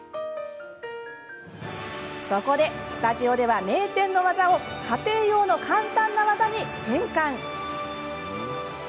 そこでスタジオでは名店の技を家庭用の簡単な技に変換。